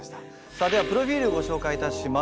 さあではプロフィールご紹介いたします。